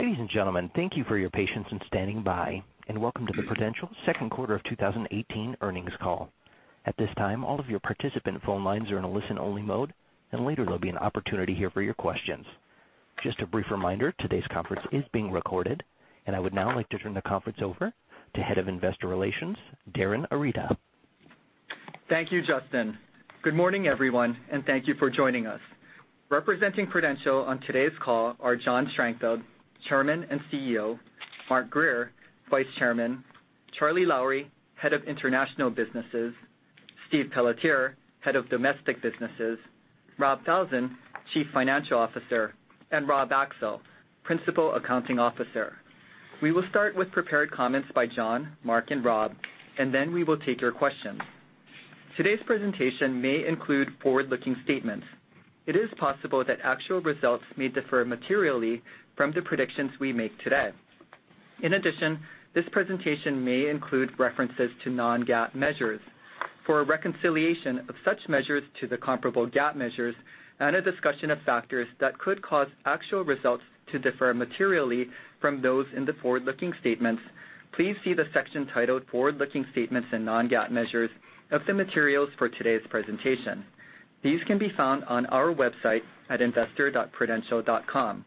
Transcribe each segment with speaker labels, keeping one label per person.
Speaker 1: Ladies and gentlemen, thank you for your patience in standing by, and welcome to the Prudential Second Quarter of 2018 earnings call. At this time, all of your participant phone lines are in a listen-only mode, and later there'll be an opportunity here for your questions. Just a brief reminder, today's conference is being recorded. I would now like to turn the conference over to Head of Investor Relations, Darin Arita.
Speaker 2: Thank you, Justin. Good morning, everyone, and thank you for joining us. Representing Prudential on today's call are John Strangfeld, Chairman and CEO, Mark Grier, Vice Chairman, Charlie Lowrey, Head of International Businesses, Steve Pelletier, Head of Domestic Businesses, Rob Falzon, Chief Financial Officer, and Rob Axel, Principal Accounting Officer. We will start with prepared comments by John, Mark, and Rob, then we will take your questions. Today's presentation may include forward-looking statements. It is possible that actual results may differ materially from the predictions we make today. In addition, this presentation may include references to non-GAAP measures. For a reconciliation of such measures to the comparable GAAP measures and a discussion of factors that could cause actual results to differ materially from those in the forward-looking statements, please see the section titled Forward-Looking Statements and Non-GAAP Measures of the materials for today's presentation. These can be found on our website at investor.prudential.com.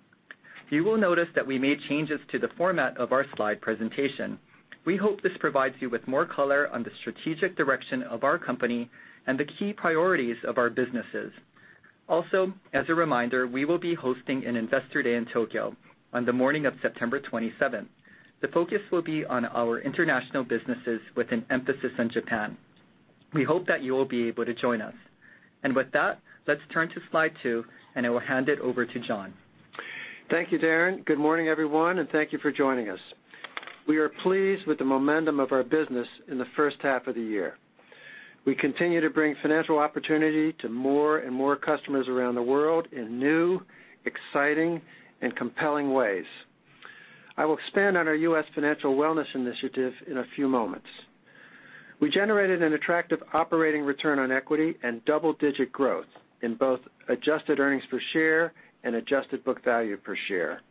Speaker 2: You will notice that we made changes to the format of our slide presentation. We hope this provides you with more color on the strategic direction of our company and the key priorities of our businesses. Also, as a reminder, we will be hosting an Investor Day in Tokyo on the morning of September 27th. The focus will be on our international businesses with an emphasis on Japan. We hope that you will be able to join us. With that, let's turn to slide two, I will hand it over to John.
Speaker 3: Thank you, Darin. Good morning, everyone, and thank you for joining us. We are pleased with the momentum of our business in the first half of the year. We continue to bring financial opportunity to more and more customers around the world in new, exciting, and compelling ways. I will expand on our U.S. Financial Wellness initiative in a few moments. We generated an attractive operating return on equity and double-digit growth in both adjusted earnings per share and adjusted book value per share.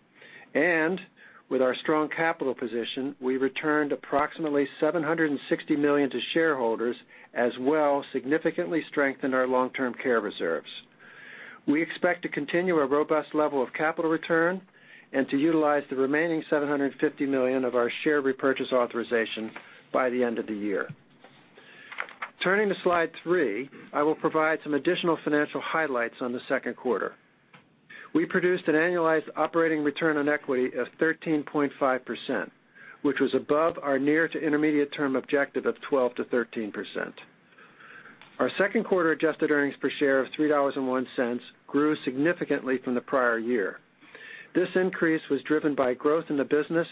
Speaker 3: With our strong capital position, we returned approximately $760 million to shareholders, as well as significantly strengthened our long-term care reserves. We expect to continue a robust level of capital return and to utilize the remaining $750 million of our share repurchase authorization by the end of the year. Turning to slide three, I will provide some additional financial highlights on the second quarter. We produced an annualized operating return on equity of 13.5%, which was above our near to intermediate-term objective of 12%-13%. Our second quarter adjusted earnings per share of $3.01 grew significantly from the prior year. This increase was driven by growth in the business,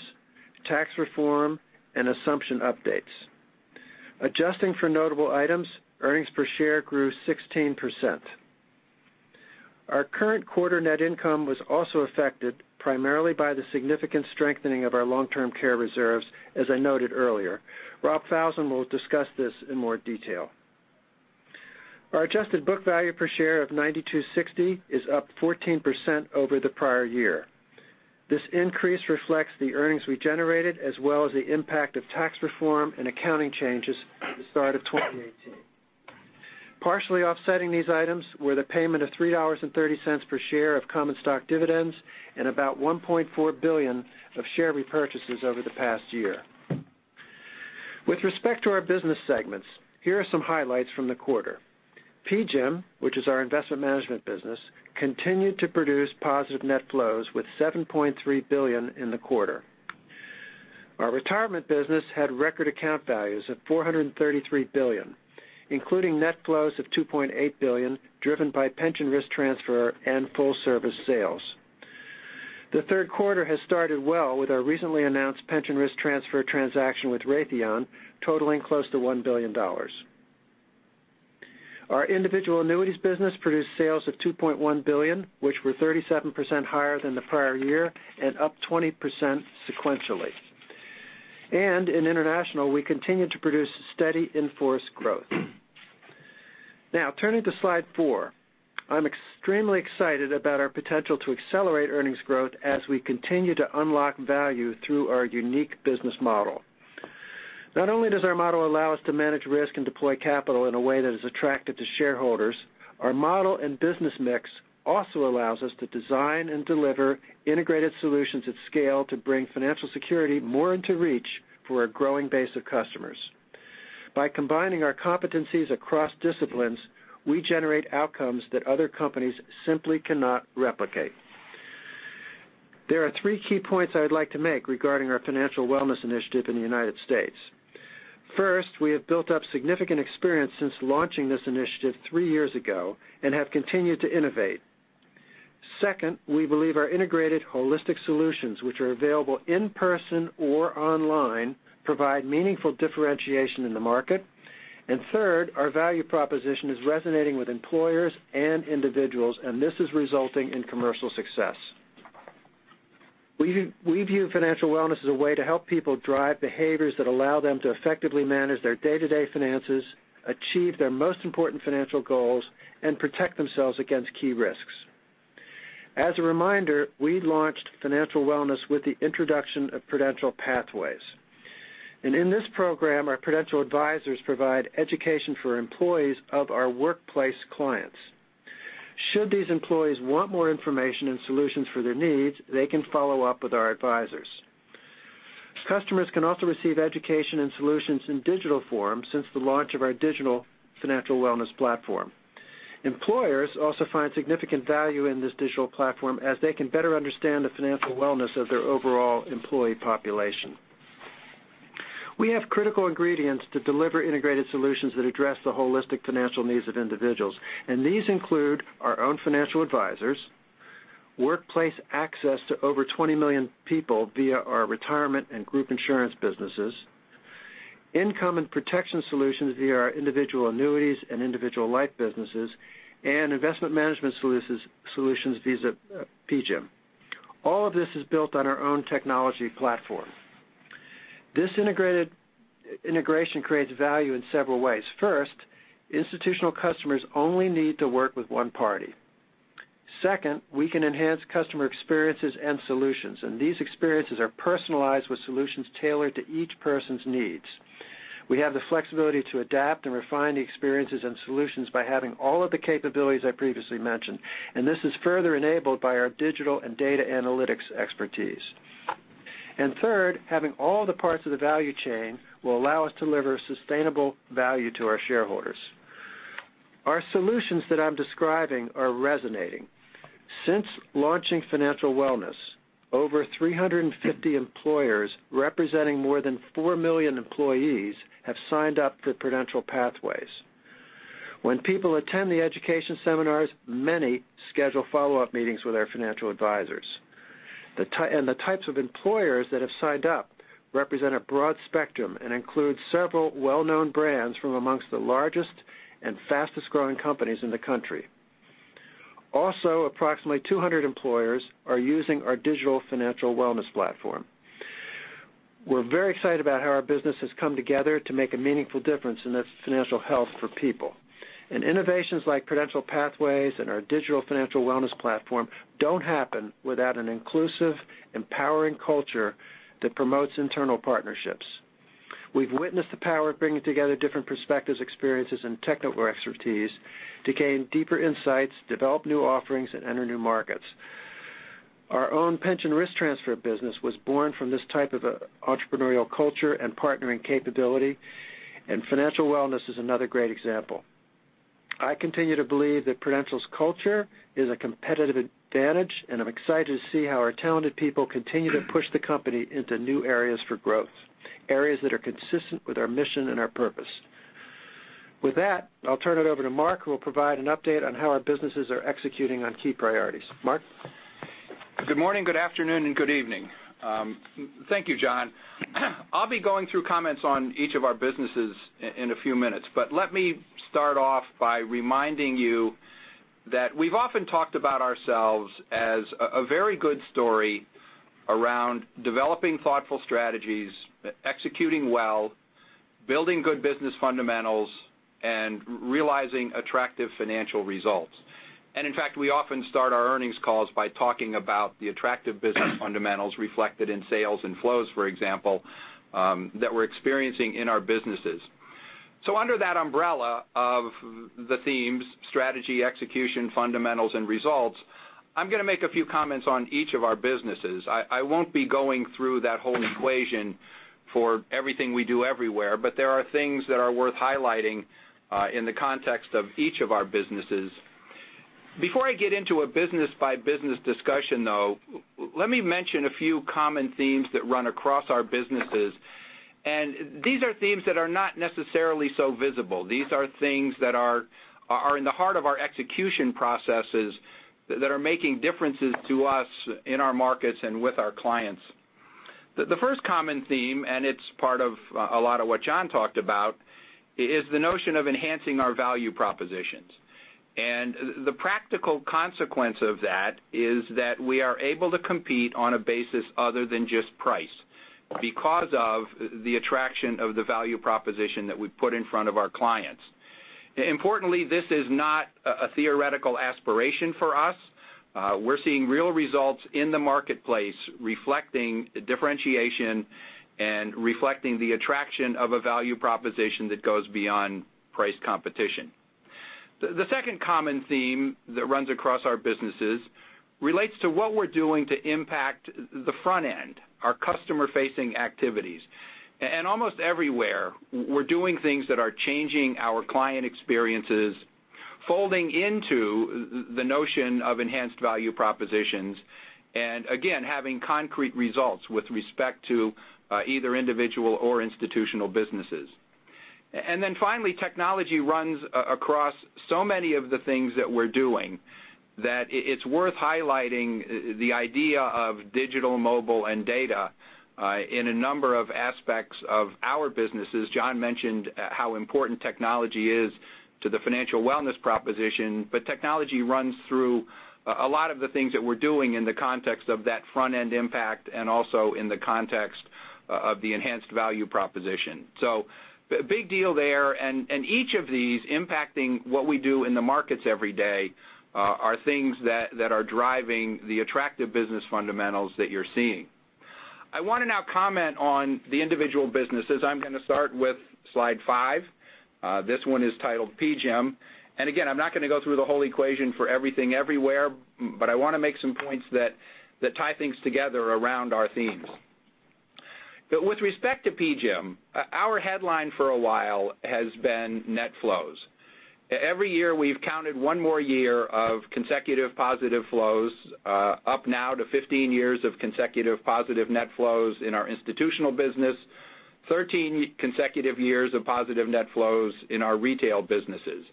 Speaker 3: tax reform, and assumption updates. Adjusting for notable items, earnings per share grew 16%. Our current quarter net income was also affected primarily by the significant strengthening of our long-term care reserves, as I noted earlier. Rob Falzon will discuss this in more detail. Our adjusted book value per share of $92.60 is up 14% over the prior year. This increase reflects the earnings we generated as well as the impact of tax reform and accounting changes at the start of 2018. Partially offsetting these items were the payment of $3.30 per share of common stock dividends and about $1.4 billion of share repurchases over the past year. With respect to our business segments, here are some highlights from the quarter. PGIM, which is our investment management business, continued to produce positive net flows with $7.3 billion in the quarter. Our retirement business had record account values of $433 billion, including net flows of $2.8 billion, driven by pension risk transfer and full-service sales. The third quarter has started well with our recently announced pension risk transfer transaction with Raytheon totaling close to $1 billion. Our individual annuities business produced sales of $2.1 billion, which were 37% higher than the prior year and up 20% sequentially. In international, we continued to produce steady in-force growth. Now, turning to slide four. I'm extremely excited about our potential to accelerate earnings growth as we continue to unlock value through our unique business model. Not only does our model allow us to manage risk and deploy capital in a way that is attractive to shareholders, our model and business mix also allows us to design and deliver integrated solutions at scale to bring financial security more into reach for our growing base of customers. By combining our competencies across disciplines, we generate outcomes that other companies simply cannot replicate. There are three key points I would like to make regarding our financial wellness initiative in the United States. First, we have built up significant experience since launching this initiative three years ago and have continued to innovate. Second, we believe our integrated holistic solutions, which are available in person or online, provide meaningful differentiation in the market. Third, our value proposition is resonating with employers and individuals, and this is resulting in commercial success. We view financial wellness as a way to help people drive behaviors that allow them to effectively manage their day-to-day finances, achieve their most important financial goals, and protect themselves against key risks. As a reminder, we launched financial wellness with the introduction of Prudential Pathways. In this program, our Prudential advisors provide education for employees of our workplace clients. Should these employees want more information and solutions for their needs, they can follow up with our advisors. Customers can also receive education and solutions in digital form since the launch of our digital financial wellness platform. Employers also find significant value in this digital platform as they can better understand the financial wellness of their overall employee population. We have critical ingredients to deliver integrated solutions that address the holistic financial needs of individuals. These include our own financial advisors, workplace access to over 20 million people via our retirement and group insurance businesses, income and protection solutions via our Individual Annuities and individual life businesses, and investment management solutions vis-a-vis PGIM. All of this is built on our own technology platform. This integration creates value in several ways. First, institutional customers only need to work with one party. Second, we can enhance customer experiences and solutions. These experiences are personalized with solutions tailored to each person's needs. We have the flexibility to adapt and refine the experiences and solutions by having all of the capabilities I previously mentioned. This is further enabled by our digital and data analytics expertise. Third, having all the parts of the value chain will allow us to deliver sustainable value to our shareholders. Our solutions that I'm describing are resonating. Since launching financial wellness, over 350 employers, representing more than 4 million employees, have signed up for Prudential Pathways. When people attend the education seminars, many schedule follow-up meetings with our financial advisors. The types of employers that have signed up represent a broad spectrum and include several well-known brands from amongst the largest and fastest-growing companies in the country. Also, approximately 200 employers are using our digital financial wellness platform. We're very excited about how our business has come together to make a meaningful difference in the financial health for people. Innovations like Prudential Pathways and our digital financial wellness platform don't happen without an inclusive, empowering culture that promotes internal partnerships. We've witnessed the power of bringing together different perspectives, experiences, and technical expertise to gain deeper insights, develop new offerings, and enter new markets. Our own pension risk transfer business was born from this type of entrepreneurial culture and partnering capability. Financial wellness is another great example. I continue to believe that Prudential's culture is a competitive advantage. I'm excited to see how our talented people continue to push the company into new areas for growth, areas that are consistent with our mission and our purpose. With that, I'll turn it over to Mark, who will provide an update on how our businesses are executing on key priorities. Mark?
Speaker 4: Good morning, good afternoon, and good evening. Thank you, John. I'll be going through comments on each of our businesses in a few minutes, but let me start off by reminding you that we've often talked about ourselves as a very good story around developing thoughtful strategies, executing well, building good business fundamentals, and realizing attractive financial results. In fact, we often start our earnings calls by talking about the attractive business fundamentals reflected in sales and flows, for example, that we're experiencing in our businesses. Under that umbrella of the themes, strategy, execution, fundamentals, and results, I'm going to make a few comments on each of our businesses. I won't be going through that whole equation for everything we do everywhere, but there are things that are worth highlighting in the context of each of our businesses. Before I get into a business-by-business discussion, though, let me mention a few common themes that run across our businesses. These are themes that are not necessarily so visible. These are things that are in the heart of our execution processes that are making differences to us in our markets and with our clients. The first common theme, and it's part of a lot of what John talked about, is the notion of enhancing our value propositions. The practical consequence of that is that we are able to compete on a basis other than just price because of the attraction of the value proposition that we put in front of our clients. Importantly, this is not a theoretical aspiration for us. We're seeing real results in the marketplace reflecting differentiation and reflecting the attraction of a value proposition that goes beyond price competition. The second common theme that runs across our businesses relates to what we're doing to impact the front end, our customer-facing activities. Almost everywhere, we're doing things that are changing our client experiences, folding into the notion of enhanced value propositions and again, having concrete results with respect to either individual or institutional businesses. Finally, technology runs across so many of the things that we're doing that it's worth highlighting the idea of digital, mobile, and data in a number of aspects of our businesses. John mentioned how important technology is to the financial wellness proposition. Technology runs through a lot of the things that we're doing in the context of that front-end impact and also in the context of the enhanced value proposition. A big deal there and each of these impacting what we do in the markets every day are things that are driving the attractive business fundamentals that you're seeing. I want to now comment on the individual businesses. I'm going to start with slide five. This one is titled PGIM. Again, I'm not going to go through the whole equation for everything everywhere, but I want to make some points that tie things together around our themes. With respect to PGIM, our headline for a while has been net flows. Every year, we've counted one more year of consecutive positive flows, up now to 15 years of consecutive positive net flows in our institutional business, 13 consecutive years of positive net flows in our retail businesses.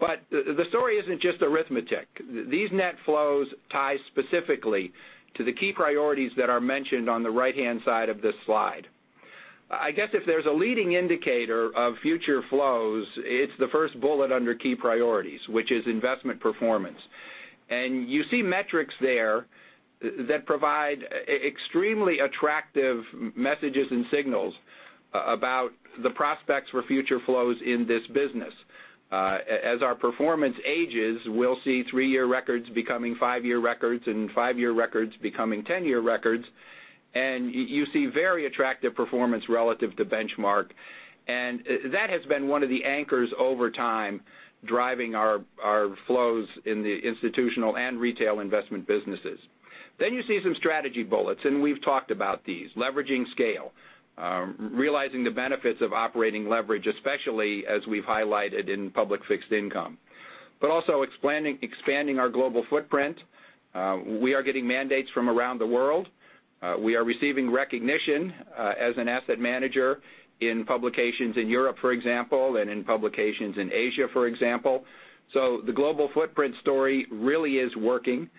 Speaker 4: The story isn't just arithmetic. These net flows tie specifically to the key priorities that are mentioned on the right-hand side of this slide. I guess if there's a leading indicator of future flows, it's the first bullet under key priorities, which is investment performance. You see metrics there that provide extremely attractive messages and signals about the prospects for future flows in this business. As our performance ages, we'll see three-year records becoming five-year records and five-year records becoming 10-year records. You see very attractive performance relative to benchmark, and that has been one of the anchors over time driving our flows in the institutional and retail investment businesses. You see some strategy bullets, and we've talked about these, leveraging scale, realizing the benefits of operating leverage, especially as we've highlighted in public fixed income. Also expanding our global footprint. We are getting mandates from around the world. We are receiving recognition as an asset manager in publications in Europe, for example, and in publications in Asia, for example. The global footprint story really is working.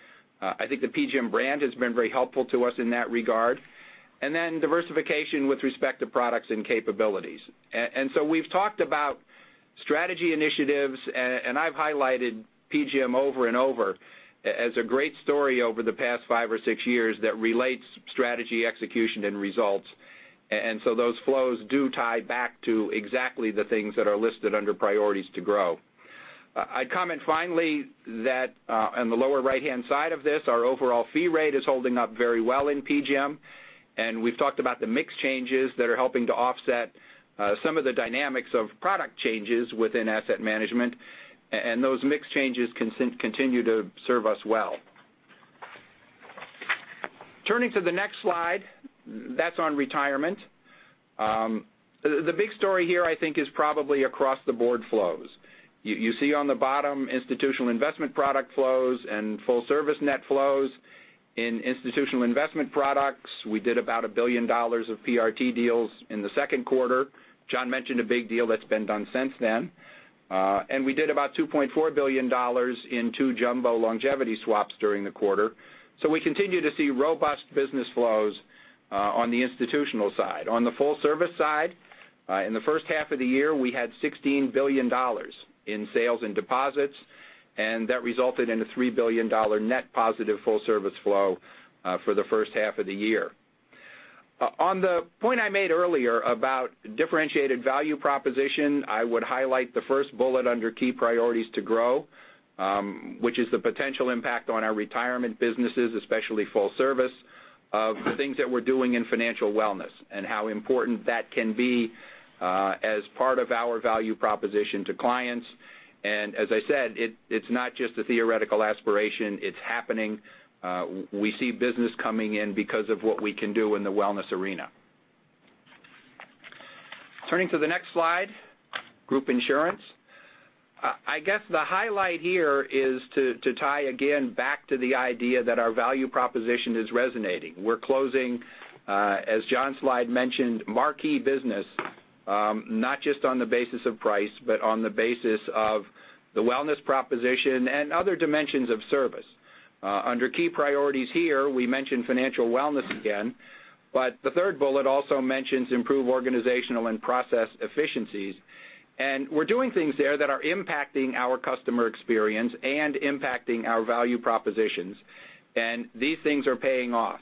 Speaker 4: I think the PGIM brand has been very helpful to us in that regard. Diversification with respect to products and capabilities. We've talked about strategy initiatives, and I've highlighted PGIM over and over as a great story over the past five or six years that relates strategy execution and results. Those flows do tie back to exactly the things that are listed under priorities to grow. I'd comment finally that on the lower right-hand side of this, our overall fee rate is holding up very well in PGIM, and we've talked about the mix changes that are helping to offset some of the dynamics of product changes within asset management, and those mix changes continue to serve us well. Turning to the next slide, that's on retirement. The big story here, I think, is probably across-the-board flows. You see on the bottom institutional investment product flows and full service net flows. In institutional investment products, we did about $1 billion of PRT deals in the 2Q. John mentioned a big deal that's been done since then. We did about $2.4 billion in two jumbo longevity swaps during the quarter. We continue to see robust business flows on the institutional side. On the full service side, in the first half of the year, we had $16 billion in sales and deposits, and that resulted in a $3 billion net positive full service flow for the first half of the year. On the point I made earlier about differentiated value proposition, I would highlight the first bullet under key priorities to grow, which is the potential impact on our retirement businesses, especially full service, of the things that we're doing in financial wellness and how important that can be as part of our value proposition to clients. As I said, it's not just a theoretical aspiration. It's happening. We see business coming in because of what we can do in the wellness arena. Turning to the next slide, group insurance. I guess the highlight here is to tie again back to the idea that our value proposition is resonating. We're closing, as John's slide mentioned, marquee business, not just on the basis of price, but on the basis of the wellness proposition and other dimensions of service. Under key priorities here, we mentioned financial wellness again, the third bullet also mentions improve organizational and process efficiencies. We're doing things there that are impacting our customer experience and impacting our value propositions, and these things are paying off.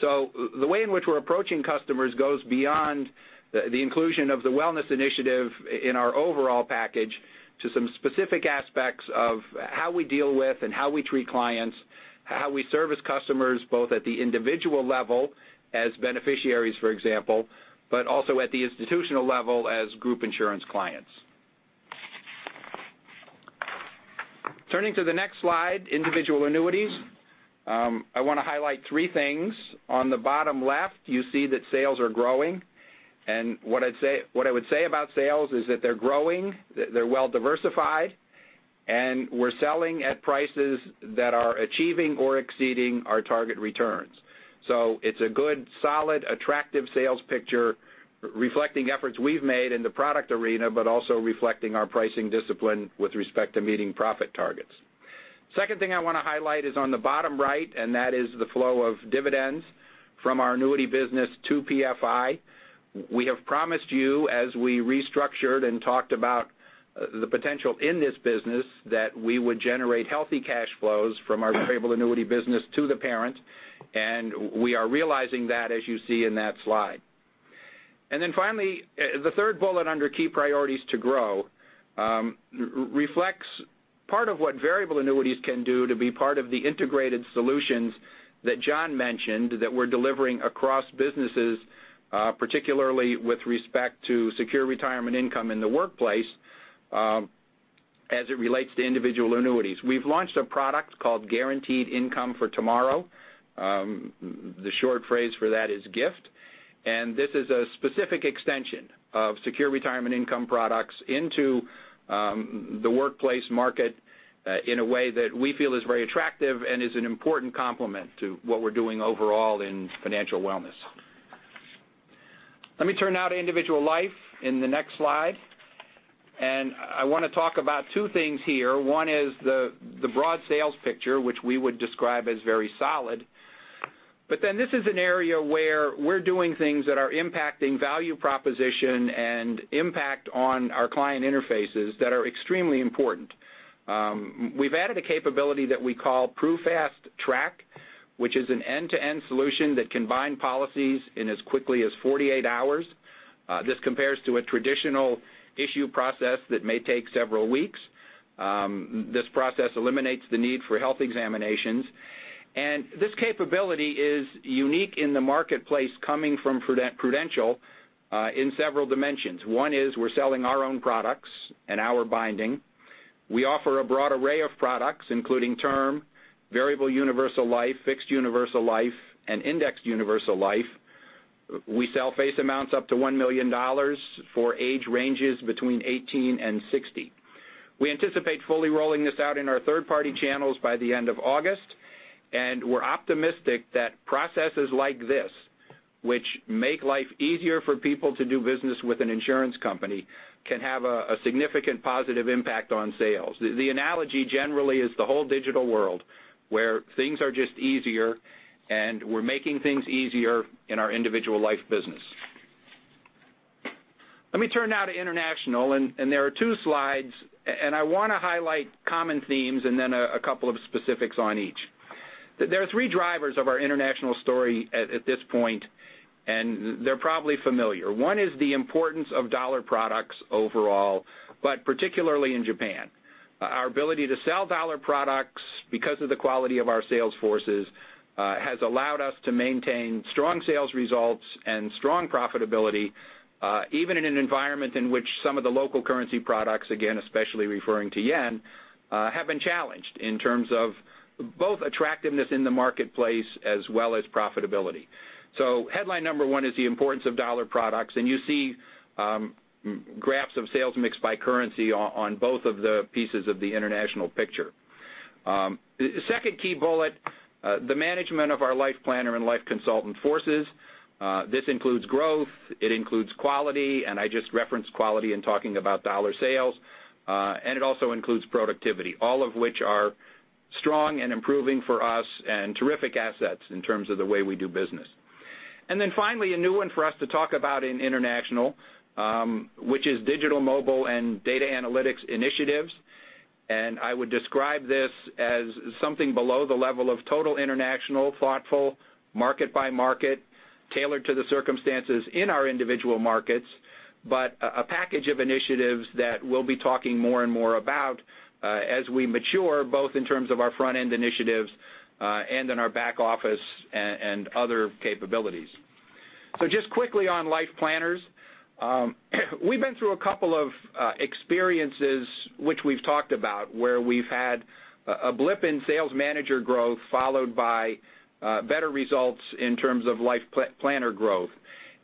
Speaker 4: The way in which we're approaching customers goes beyond the inclusion of the wellness initiative in our overall package to some specific aspects of how we deal with and how we treat clients, how we service customers, both at the individual level as beneficiaries, for example, but also at the institutional level as group insurance clients. Turning to the next slide, individual annuities. I want to highlight three things. On the bottom left, you see that sales are growing. What I would say about sales is that they're growing, they're well diversified, and we're selling at prices that are achieving or exceeding our target returns. It's a good, solid, attractive sales picture reflecting efforts we've made in the product arena, but also reflecting our pricing discipline with respect to meeting profit targets. Second thing I want to highlight is on the bottom right, and that is the flow of dividends from our annuity business to PFI. We have promised you, as we restructured and talked about the potential in this business, that we would generate healthy cash flows from our variable annuity business to the parent, and we are realizing that, as you see in that slide. Finally, the third bullet under key priorities to grow, reflects part of what variable annuities can do to be part of the integrated solutions that John mentioned that we're delivering across businesses, particularly with respect to secure retirement income in the workplace, as it relates to individual annuities. We've launched a product called Guaranteed Income for Tomorrow. The short phrase for that is GIFT, and this is a specific extension of secure retirement income products into the workplace market in a way that we feel is very attractive and is an important complement to what we're doing overall in financial wellness. Let me turn now to individual life in the next slide. I want to talk about two things here. One is the broad sales picture, which we would describe as very solid. This is an area where we're doing things that are impacting value proposition and impact on our client interfaces that are extremely important. We've added a capability that we call PruFast Track, which is an end-to-end solution that can bind policies in as quickly as 48 hours. This compares to a traditional issue process that may take several weeks. This process eliminates the need for health examinations, and this capability is unique in the marketplace coming from Prudential, in several dimensions. One is we're selling our own products and our binding. We offer a broad array of products, including term, Variable Universal Life, Fixed Universal Life, and Indexed Universal Life. We sell face amounts up to $1 million for age ranges between 18 and 60. We anticipate fully rolling this out in our third-party channels by the end of August. We're optimistic that processes like this, which make life easier for people to do business with an insurance company, can have a significant positive impact on sales. The analogy generally is the whole digital world, where things are just easier, and we're making things easier in our individual life business. Let me turn now to international, there are two slides, and I want to highlight common themes and then a couple of specifics on each. There are three drivers of our international story at this point, and they're probably familiar. One is the importance of dollar products overall, but particularly in Japan. Our ability to sell dollar products because of the quality of our sales forces, has allowed us to maintain strong sales results and strong profitability, even in an environment in which some of the local currency products, again, especially referring to yen, have been challenged in terms of both attractiveness in the marketplace as well as profitability. Headline number one is the importance of dollar products, you see graphs of sales mix by currency on both of the pieces of the international picture. Second key bullet, the management of our life planner and life consultant forces. This includes growth, it includes quality, I just referenced quality in talking about dollar sales. It also includes productivity, all of which are strong and improving for us and terrific assets in terms of the way we do business. Finally, a new one for us to talk about in international, which is digital mobile and data analytics initiatives. I would describe this as something below the level of total international, thoughtful, market by market, tailored to the circumstances in our individual markets. A package of initiatives that we'll be talking more and more about as we mature, both in terms of our front-end initiatives, and in our back office, and other capabilities. Just quickly on life planners. We've been through a couple of experiences which we've talked about, where we've had a blip in sales manager growth followed by better results in terms of life planner growth.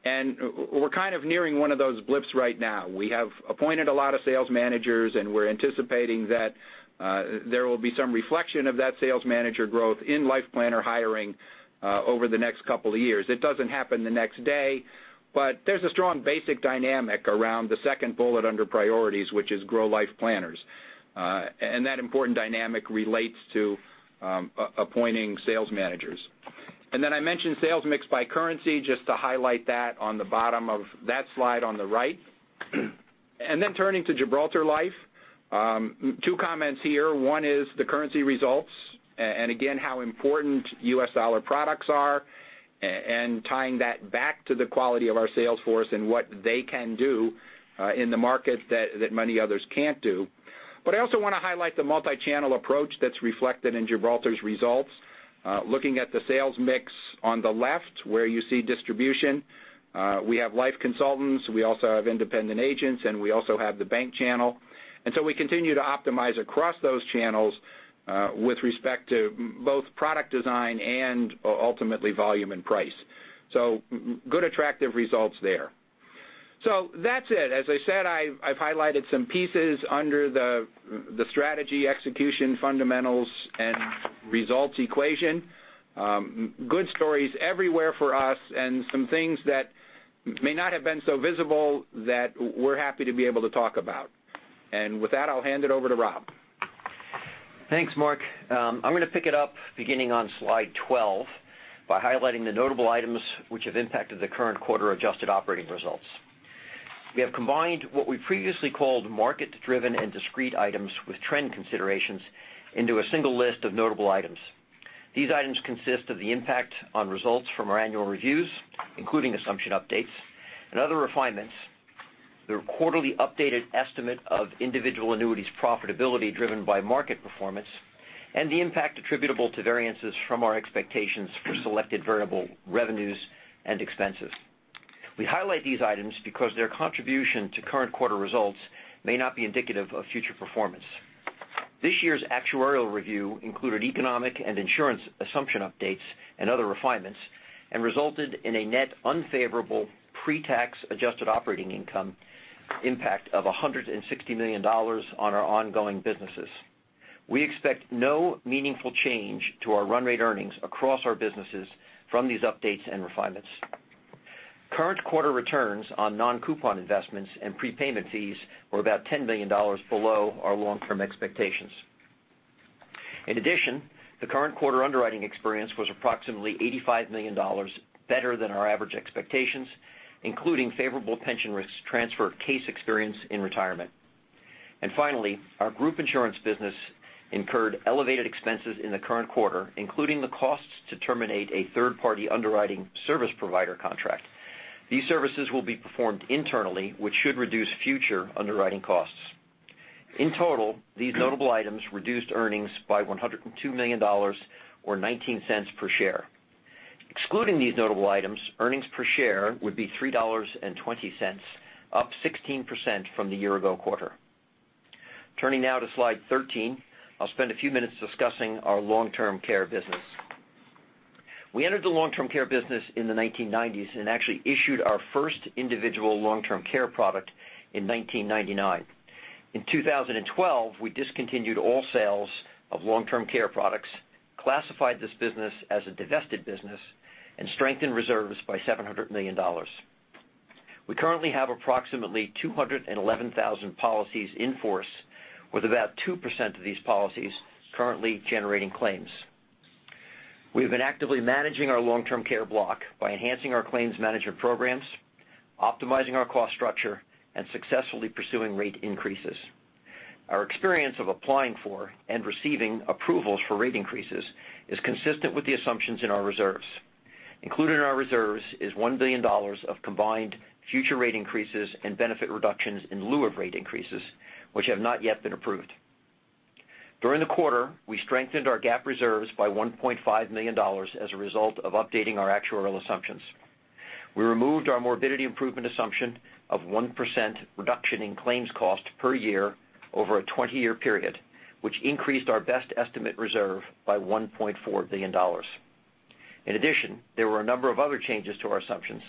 Speaker 4: We're kind of nearing one of those blips right now. We have appointed a lot of sales managers, we're anticipating that there will be some reflection of that sales manager growth in life planner hiring over the next couple of years. It doesn't happen the next day, there's a strong basic dynamic around the second bullet under priorities, which is grow life planners. That important dynamic relates to appointing sales managers. I mentioned sales mix by currency, just to highlight that on the bottom of that slide on the right. Turning to Gibraltar Life, two comments here. One is the currency results, again, how important U.S. dollar products are and tying that back to the quality of our sales force and what they can do in the markets that many others can't do. I also want to highlight the multi-channel approach that's reflected in Gibraltar's results. Looking at the sales mix on the left where you see distribution, we have life consultants, we also have independent agents, we also have the bank channel. We continue to optimize across those channels, with respect to both product design and ultimately volume and price. Good, attractive results there. That's it. As I said, I've highlighted some pieces under the strategy execution fundamentals and results equation. Good stories everywhere for us and some things that may not have been so visible that we're happy to be able to talk about. With that, I'll hand it over to Rob.
Speaker 5: Thanks, Mark. I'm going to pick it up beginning on slide 12 by highlighting the notable items which have impacted the current quarter adjusted operating results. We have combined what we previously called market-driven and discrete items with trend considerations into a single list of notable items. These items consist of the impact on results from our annual reviews, including assumption updates and other refinements, the quarterly updated estimate of Individual Annuities profitability driven by market performance, and the impact attributable to variances from our expectations for selected variable revenues and expenses. We highlight these items because their contribution to current quarter results may not be indicative of future performance. This year's actuarial review included economic and insurance assumption updates and other refinements, and resulted in a net unfavorable pre-tax adjusted operating income impact of $160 million on our ongoing businesses. We expect no meaningful change to our run rate earnings across our businesses from these updates and refinements. Current quarter returns on non-coupon investments and prepayment fees were about $10 million below our long-term expectations. In addition, the current quarter underwriting experience was approximately $85 million better than our average expectations, including favorable pension risk transfer case experience in retirement. Finally, our group insurance business incurred elevated expenses in the current quarter, including the costs to terminate a third-party underwriting service provider contract. These services will be performed internally, which should reduce future underwriting costs. In total, these notable items reduced earnings by $102 million, or $0.19 per share. Excluding these notable items, earnings per share would be $3.20, up 16% from the year-ago quarter. Turning now to slide 13, I'll spend a few minutes discussing our long-term care business. We entered the long-term care business in the 1990s and actually issued our first individual long-term care product in 1999. In 2012, we discontinued all sales of long-term care products, classified this business as a divested business, and strengthened reserves by $700 million. We currently have approximately 211,000 policies in force, with about 2% of these policies currently generating claims. We've been actively managing our long-term care block by enhancing our claims management programs, optimizing our cost structure, and successfully pursuing rate increases. Our experience of applying for and receiving approvals for rate increases is consistent with the assumptions in our reserves. Included in our reserves is $1 billion of combined future rate increases and benefit reductions in lieu of rate increases, which have not yet been approved. During the quarter, we strengthened our GAAP reserves by $1.5 billion as a result of updating our actuarial assumptions. We removed our morbidity improvement assumption of 1% reduction in claims cost per year over a 20-year period, which increased our best estimate reserve by $1.4 billion. In addition, there were a number of other changes to our assumptions,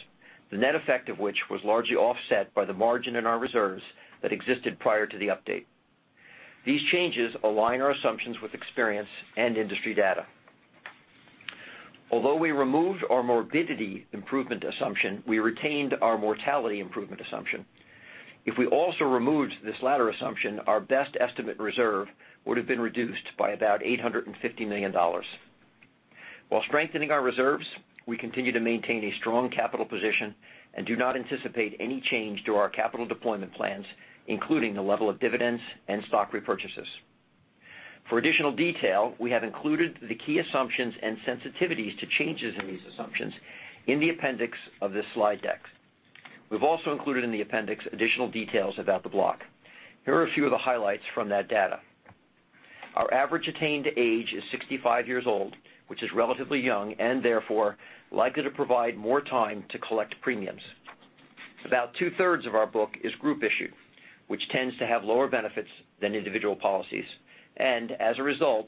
Speaker 5: the net effect of which was largely offset by the margin in our reserves that existed prior to the update. These changes align our assumptions with experience and industry data. Although we removed our morbidity improvement assumption, we retained our mortality improvement assumption. If we also removed this latter assumption, our best estimate reserve would have been reduced by about $850 million. While strengthening our reserves, we continue to maintain a strong capital position and do not anticipate any change to our capital deployment plans, including the level of dividends and stock repurchases. For additional detail, we have included the key assumptions and sensitivities to changes in these assumptions in the appendix of this slide deck. We've also included in the appendix additional details about the block. Here are a few of the highlights from that data. Our average attained age is 65 years old, which is relatively young and therefore likely to provide more time to collect premiums. About two-thirds of our book is group issued, which tends to have lower benefits than individual policies, and as a result,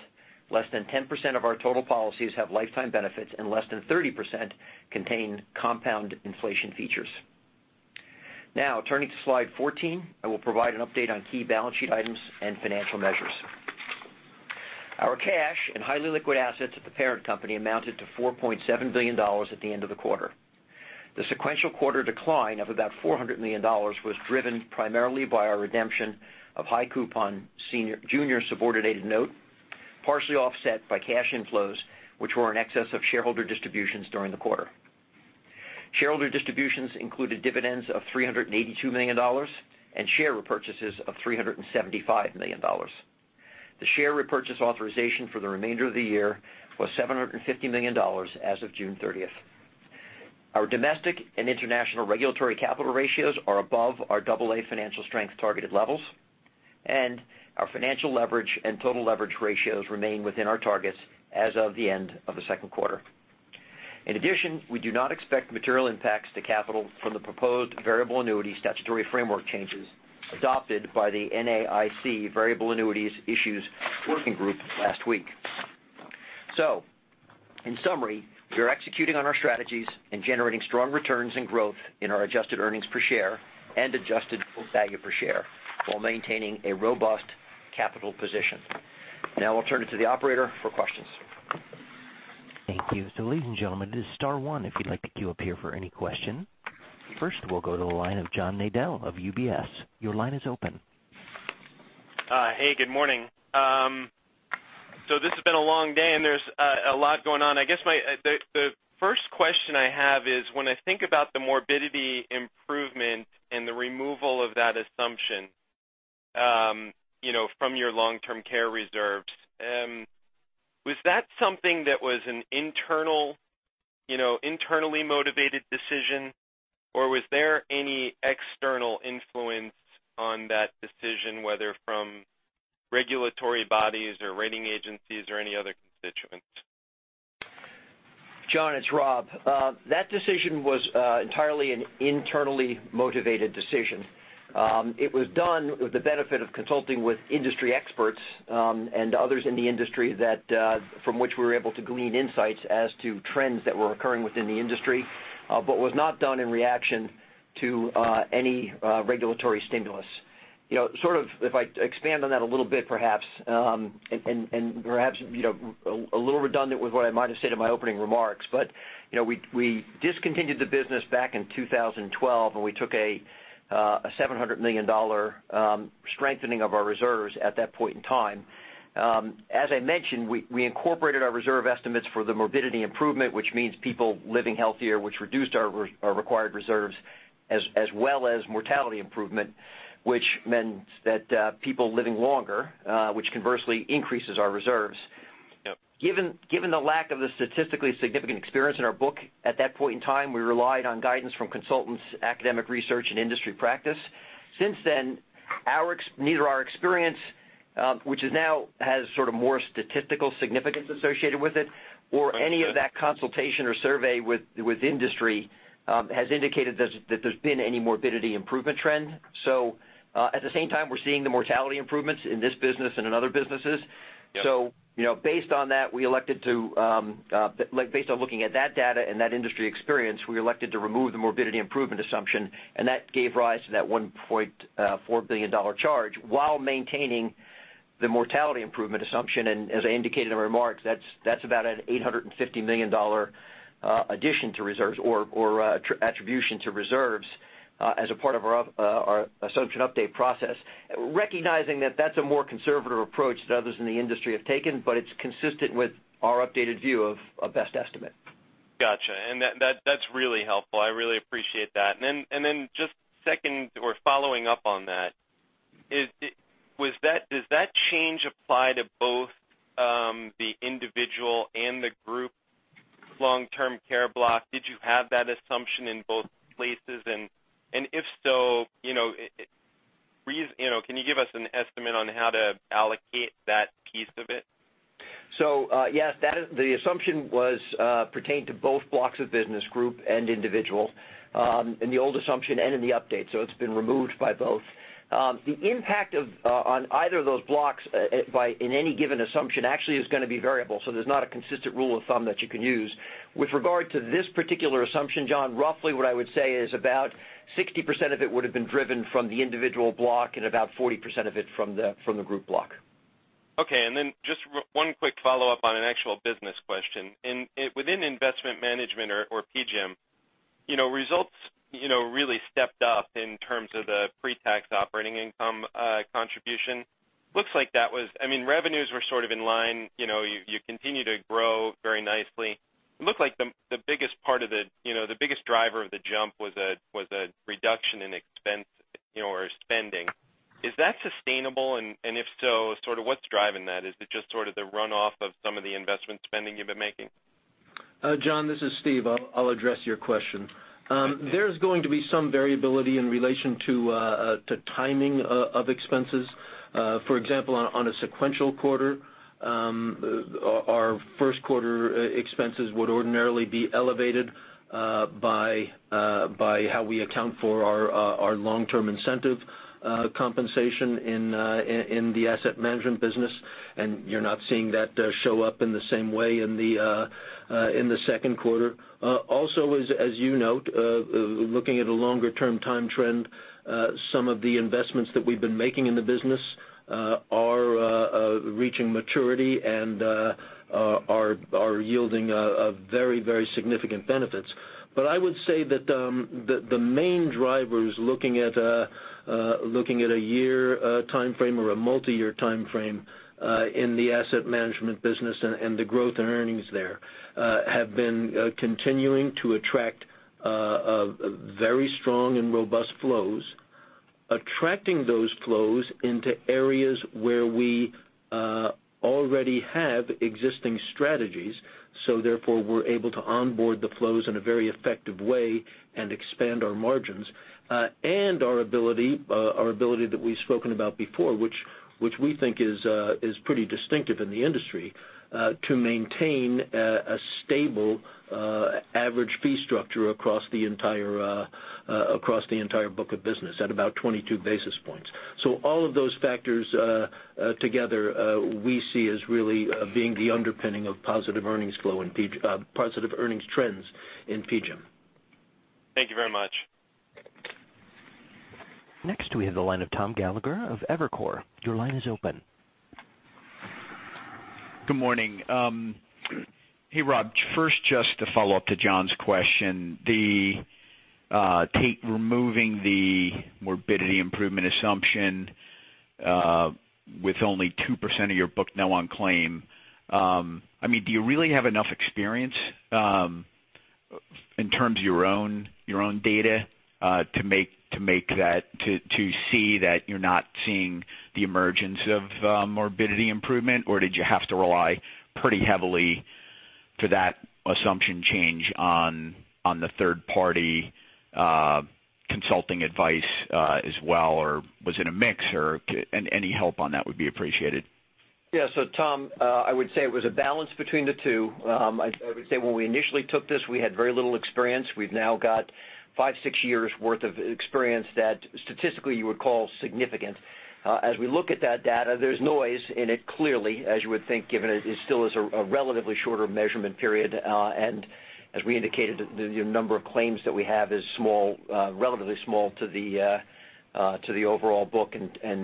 Speaker 5: less than 10% of our total policies have lifetime benefits and less than 30% contain compound inflation features. Turning to slide 14, I will provide an update on key balance sheet items and financial measures. Our cash and highly liquid assets at the parent company amounted to $4.7 billion at the end of the quarter. The sequential quarter decline of about $400 million was driven primarily by our redemption of high coupon junior subordinated note, partially offset by cash inflows, which were in excess of shareholder distributions during the quarter. Shareholder distributions included dividends of $382 million and share repurchases of $375 million. The share repurchase authorization for the remainder of the year was $750 million as of June 30th. Our domestic and international regulatory capital ratios are above our double A financial strength targeted levels, and our financial leverage and total leverage ratios remain within our targets as of the end of the second quarter. In addition, we do not expect material impacts to capital from the proposed variable annuity statutory framework changes adopted by the NAIC variable annuities issues working group last week. In summary, we are executing on our strategies and generating strong returns and growth in our adjusted earnings per share and adjusted book value per share while maintaining a robust capital position. I'll turn it to the operator for questions.
Speaker 1: Thank you. Ladies and gentlemen, it is star one if you'd like to queue up here for any question. First, we'll go to the line of John Nadel of UBS. Your line is open.
Speaker 6: Hey, good morning. This has been a long day, and there is a lot going on. I guess the first question I have is when I think about the morbidity improvement and the removal of that assumption from your long-term care reserves, was that something that was an internally motivated decision, or was there any external influence on that decision, whether from regulatory bodies or rating agencies or any other constituents?
Speaker 5: John, it is Rob. That decision was entirely an internally motivated decision. It was done with the benefit of consulting with industry experts and others in the industry from which we were able to glean insights as to trends that were occurring within the industry but was not done in reaction to any regulatory stimulus. We discontinued the business back in 2012, and we took a $700 million strengthening of our reserves at that point in time. As I mentioned, we incorporated our reserve estimates for the morbidity improvement, which means people living healthier, which reduced our required reserves, as well as mortality improvement, which meant that people living longer, which conversely increases our reserves.
Speaker 6: Yep.
Speaker 5: Given the lack of the statistically significant experience in our book at that point in time, we relied on guidance from consultants, academic research, and industry practice. Since then, neither our experience, which now has more statistical significance associated with it or any of that consultation or survey with industry has indicated that there has been any morbidity improvement trend. At the same time, we are seeing the mortality improvements in this business and in other businesses.
Speaker 6: Yep.
Speaker 5: Based on looking at that data and that industry experience, we elected to remove the morbidity improvement assumption, and that gave rise to that $1.4 billion charge while maintaining the mortality improvement assumption. As I indicated in my remarks, that is about an $850 million addition to reserves or attribution to reserves as a part of our assumption update process, recognizing that that is a more conservative approach that others in the industry have taken, but it is consistent with our updated view of best estimate.
Speaker 6: Got you. That's really helpful. I really appreciate that. Just second or following up on that, does that change apply to both the individual and the group long-term care block? Did you have that assumption in both places? If so, can you give us an estimate on how to allocate that piece of it?
Speaker 5: Yes, the assumption pertained to both blocks of business group and individual, in the old assumption and in the update. It's been removed by both. The impact on either of those blocks in any given assumption actually is going to be variable, so there's not a consistent rule of thumb that you can use. With regard to this particular assumption, John, roughly what I would say is about 60% of it would've been driven from the individual block and about 40% of it from the group block.
Speaker 6: Okay, just one quick follow-up on an actual business question. Within investment management or PGIM, results really stepped up in terms of the pre-tax operating income contribution. I mean, revenues were sort of in line. You continue to grow very nicely. It looked like the biggest driver of the jump was a reduction in expense or spending. Is that sustainable, and if so, what's driving that? Is it just the runoff of some of the investment spending you've been making?
Speaker 7: John, this is Steve. I'll address your question. There's going to be some variability in relation to timing of expenses. For example, on a sequential quarter, our first quarter expenses would ordinarily be elevated by how we account for our long-term incentive compensation in the asset management business, and you're not seeing that show up in the same way in the second quarter. Also, as you note, looking at a longer-term time trend, some of the investments that we've been making in the business are reaching maturity and are yielding very significant benefits. I would say that the main drivers looking at a year timeframe or a multi-year timeframe in the asset management business and the growth in earnings there have been continuing to attract very strong and robust flows, attracting those flows into areas where we already have existing strategies, therefore, we're able to onboard the flows in a very effective way and expand our margins. Our ability that we've spoken about before, which we think is pretty distinctive in the industry, to maintain a stable average fee structure across the entire book of business at about 22 basis points. All of those factors together we see as really being the underpinning of positive earnings trends in PGIM.
Speaker 6: Thank you very much.
Speaker 1: Next we have the line of Tom Gallagher of Evercore. Your line is open.
Speaker 8: Good morning. Hey, Rob. First, just to follow up to John's question, the take removing the morbidity improvement assumption with only 2% of your book now on claim. Do you really have enough experience in terms of your own data to see that you're not seeing the emergence of morbidity improvement? Or did you have to rely pretty heavily for that assumption change on the third-party consulting advice as well, or was it a mix? Any help on that would be appreciated.
Speaker 5: Yeah. Tom, I would say it was a balance between the two. I would say when we initially took this, we had very little experience. We've now got five, six years' worth of experience that statistically you would call significant. As we look at that data, there's noise in it, clearly, as you would think, given it still is a relatively shorter measurement period. As we indicated, the number of claims that we have is relatively small to the overall book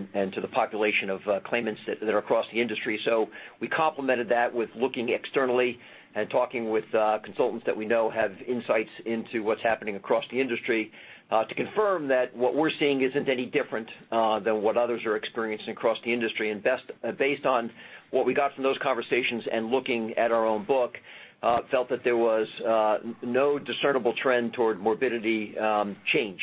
Speaker 5: and to the population of claimants that are across the industry. We complemented that with looking externally and talking with consultants that we know have insights into what's happening across the industry to confirm that what we're seeing isn't any different than what others are experiencing across the industry. Based on what we got from those conversations and looking at our own book, felt that there was no discernible trend toward morbidity change.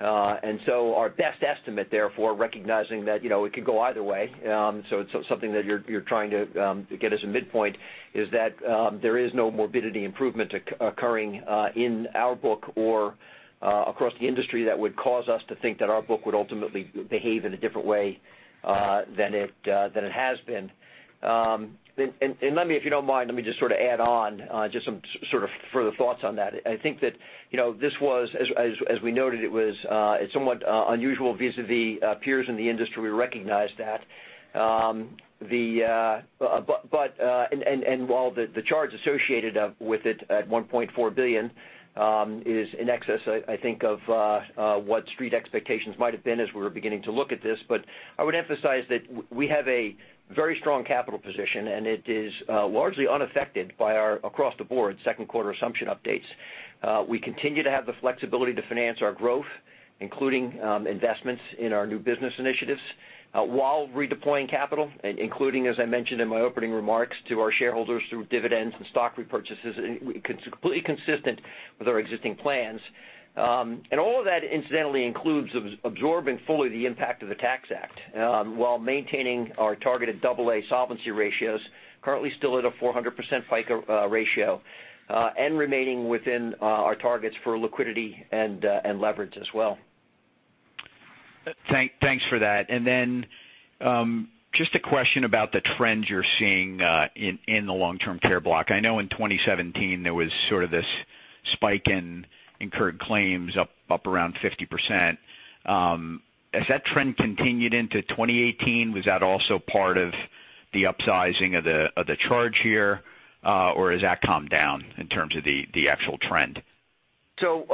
Speaker 5: Our best estimate, therefore, recognizing that it could go either way, so it's something that you're trying to get as a midpoint, is that there is no morbidity improvement occurring in our book or across the industry that would cause us to think that our book would ultimately behave in a different way than it has been. If you don't mind, let me just add on just some further thoughts on that. I think that this was, as we noted, it's somewhat unusual vis-a-vis peers in the industry, we recognize that. While the charge associated with it at $1.4 billion is in excess, I think, of what Street expectations might have been as we were beginning to look at this. I would emphasize that we have a very strong capital position, and it is largely unaffected by our across-the-board second quarter assumption updates. We continue to have the flexibility to finance our growth, including investments in our new business initiatives while redeploying capital, including, as I mentioned in my opening remarks to our shareholders through dividends and stock repurchases, completely consistent with our existing plans. All of that incidentally includes absorbing fully the impact of the Tax Act while maintaining our targeted double A solvency ratios, currently still at a 400% RBC ratio, and remaining within our targets for liquidity and leverage as well.
Speaker 8: Thanks for that. Then just a question about the trend you're seeing in the long-term care block. I know in 2017, there was sort of this spike in incurred claims up around 50%. Has that trend continued into 2018? Was that also part of the upsizing of the charge here? Or has that calmed down in terms of the actual trend?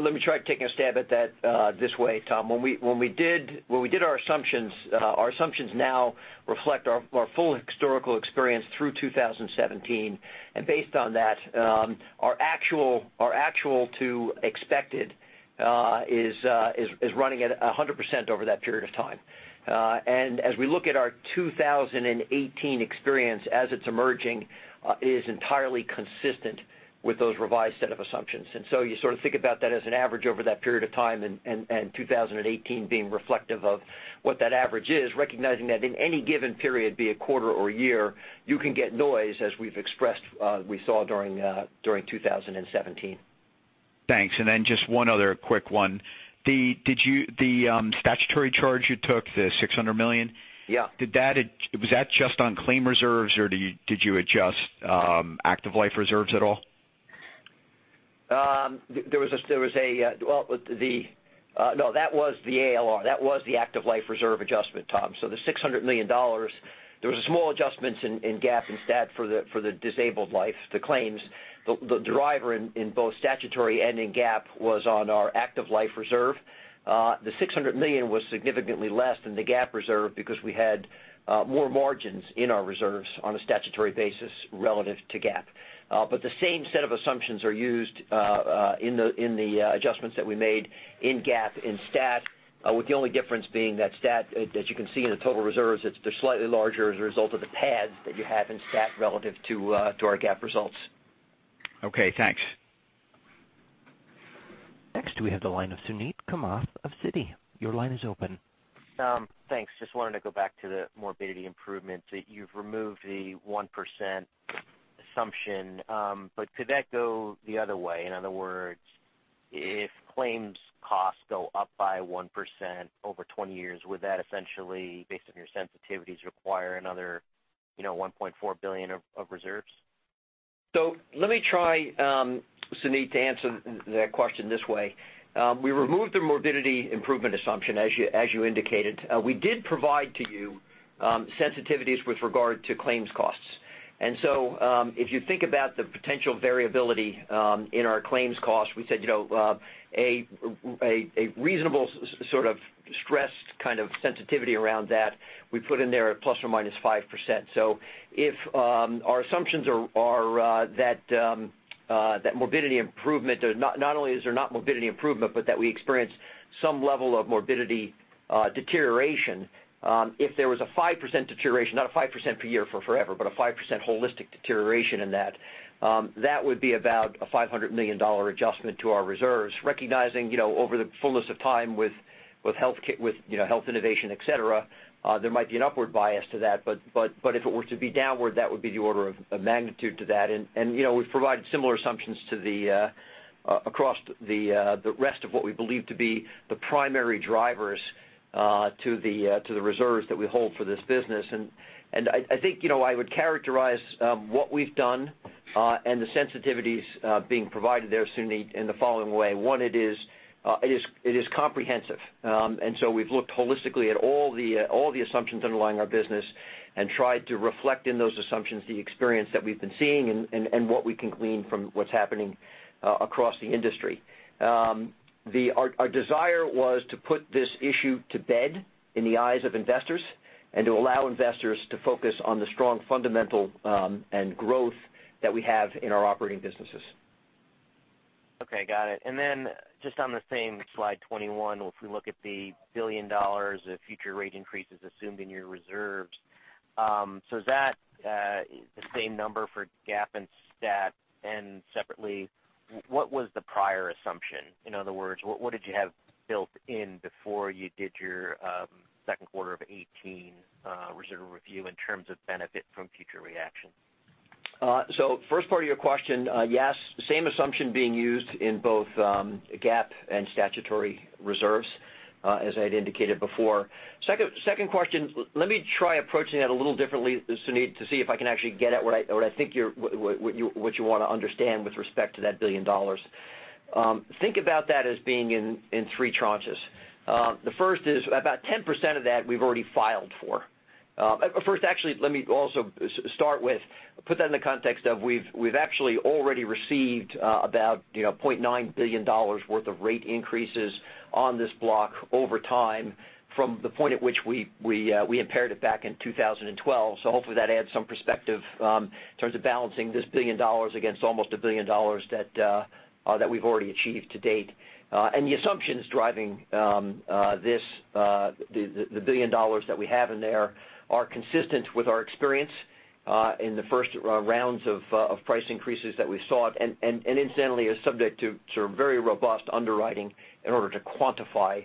Speaker 5: Let me try taking a stab at that this way, Tom. When we did our assumptions, our assumptions now reflect our full historical experience through 2017. Based on that, our actual to expected is running at 100% over that period of time. As we look at our 2018 experience as it's emerging, it is entirely consistent with those revised set of assumptions. You sort of think about that as an average over that period of time and 2018 being reflective of what that average is, recognizing that in any given period, be it quarter or year, you can get noise as we've expressed we saw during 2017.
Speaker 8: Thanks. Then just one other quick one. The statutory charge you took, the $600 million.
Speaker 5: Yeah.
Speaker 8: Was that just on claim reserves, or did you adjust active life reserves at all?
Speaker 5: No, that was the ALR. That was the active life reserve adjustment, Tom. The $600 million, there was a small adjustments in GAAP and STAT for the disabled life, the claims. The driver in both statutory and in GAAP was on our active life reserve. The $600 million was significantly less than the GAAP reserve because we had more margins in our reserves on a statutory basis relative to GAAP. The same set of assumptions are used in the adjustments that we made in GAAP and STAT, with the only difference being that STAT, as you can see in the total reserves, they're slightly larger as a result of the pads that you have in STAT relative to our GAAP results.
Speaker 8: Okay, thanks.
Speaker 1: Next, we have the line of Suneet Kamath of Citi. Your line is open.
Speaker 9: Tom, thanks. Just wanted to go back to the morbidity improvements, that you've removed the 1% assumption. Could that go the other way? In other words, if claims costs go up by 1% over 20 years, would that essentially, based on your sensitivities, require another $1.4 billion of reserves?
Speaker 5: Let me try, Suneet, to answer that question this way. We removed the morbidity improvement assumption, as you indicated. We did provide to you sensitivities with regard to claims costs. If you think about the potential variability in our claims cost, we said a reasonable sort of stressed kind of sensitivity around that we put in there at ±5%. If our assumptions are that not only is there not morbidity improvement, but that we experience some level of morbidity deterioration. If there was a 5% deterioration, not a 5% per year for forever, but a 5% holistic deterioration in that would be about a $500 million adjustment to our reserves, recognizing over the fullness of time with health innovation, et cetera, there might be an upward bias to that, but if it were to be downward, that would be the order of magnitude to that. We've provided similar assumptions across the rest of what we believe to be the primary drivers to the reserves that we hold for this business. I think I would characterize what we've done and the sensitivities being provided there, Suneet, in the following way. One, it is comprehensive. We've looked holistically at all the assumptions underlying our business and tried to reflect in those assumptions the experience that we've been seeing and what we can glean from what's happening across the industry. Our desire was to put this issue to bed in the eyes of investors and to allow investors to focus on the strong fundamental and growth that we have in our operating businesses.
Speaker 9: Okay, got it. Just on the same slide 21, if we look at the $1 billion of future rate increases assumed in your reserves, is that the same number for GAAP and STAT, and separately, what was the prior assumption? In other words, what did you have built in before you did your second quarter of 2018 reserve review in terms of benefit from future rate action?
Speaker 5: First part of your question, yes, same assumption being used in both GAAP and statutory reserves, as I'd indicated before. Second question, let me try approaching that a little differently, Suneet, to see if I can actually get at what I think what you want to understand with respect to that $1 billion. Think about that as being in three tranches. The first is about 10% of that we've already filed for. Put that in the context of we've actually already received about $0.9 billion worth of rate increases on this block over time from the point at which we impaired it back in 2012. Hopefully that adds some perspective in terms of balancing this $1 billion against almost $1 billion that we've already achieved to date. The assumptions driving the $1 billion that we have in there are consistent with our experience in the first rounds of price increases that we saw. Incidentally, are subject to very robust underwriting in order to quantify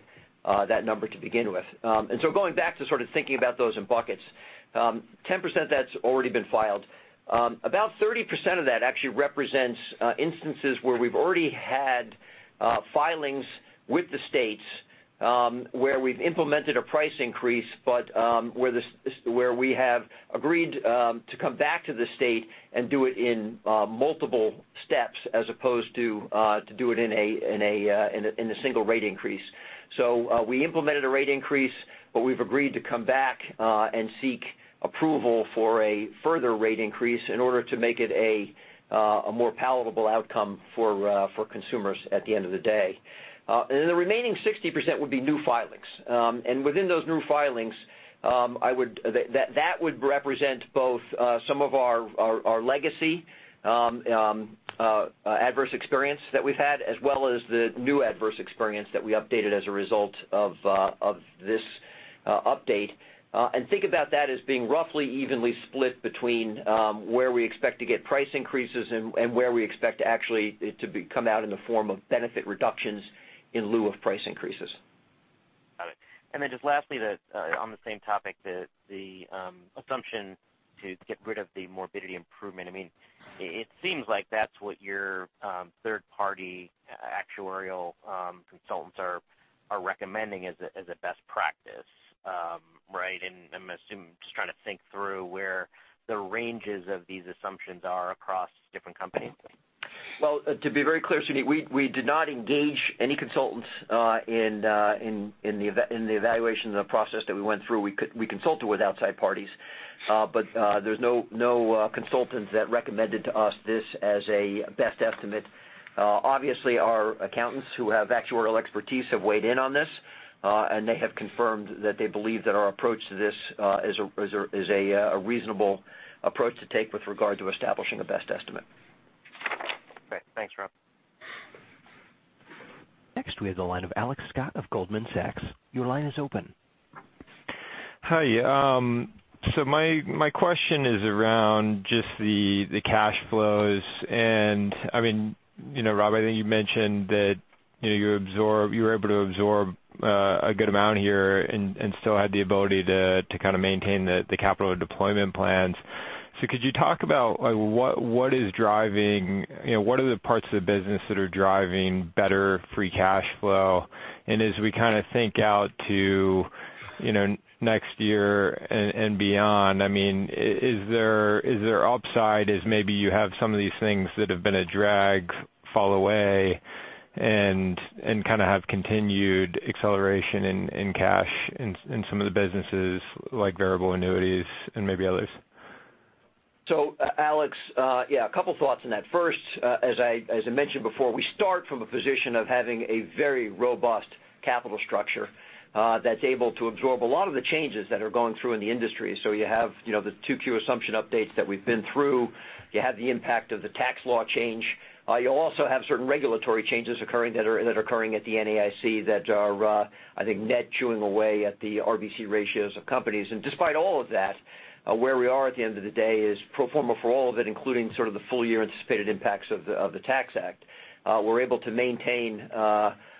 Speaker 5: that number to begin with. Going back to sort of thinking about those in buckets, 10% of that's already been filed. About 30% of that actually represents instances where we've already had filings with the states, where we've implemented a price increase, but where we have agreed to come back to the state and do it in multiple steps as opposed to do it in a single rate increase. We implemented a rate increase, but we've agreed to come back and seek approval for a further rate increase in order to make it a more palatable outcome for consumers at the end of the day. The remaining 60% would be new filings. Within those new filings, that would represent both some of our legacy adverse experience that we've had, as well as the new adverse experience that we updated as a result of this update. Think about that as being roughly evenly split between where we expect to get price increases and where we expect actually it to come out in the form of benefit reductions in lieu of price increases.
Speaker 9: Got it. Just lastly, on the same topic, the assumption to get rid of the morbidity improvement. It seems like that's what your third-party actuarial consultants are recommending as a best practice, right? I'm just trying to think through where the ranges of these assumptions are across different companies.
Speaker 5: Well, to be very clear, Suneet, we did not engage any consultants in the evaluation of the process that we went through. We consulted with outside parties. There's no consultants that recommended to us this as a best estimate. Obviously, our accountants who have actuarial expertise have weighed in on this, they have confirmed that they believe that our approach to this is a reasonable approach to take with regard to establishing a best estimate.
Speaker 9: Great. Thanks, Rob.
Speaker 1: Next, we have the line of Alex Scott of Goldman Sachs. Your line is open.
Speaker 10: Hi. My question is around just the cash flows. Rob, I think you mentioned that you were able to absorb a good amount here and still had the ability to kind of maintain the capital deployment plans. Could you talk about what are the parts of the business that are driving better free cash flow? As we kind of think out to next year and beyond, is there upside as maybe you have some of these things that have been a drag fall away? and kind of have continued acceleration in cash in some of the businesses like variable annuities and maybe others.
Speaker 5: Alex, yeah, a couple thoughts on that. First, as I mentioned before, we start from a position of having a very robust capital structure that's able to absorb a lot of the changes that are going through in the industry. You have the 2Q assumption updates that we've been through. You have the impact of the tax law change. You also have certain regulatory changes that are occurring at the NAIC that are, I think, net chewing away at the RBC ratios of companies. Despite all of that, where we are at the end of the day is pro forma for all of it, including sort of the full year anticipated impacts of the Tax Act. We're able to maintain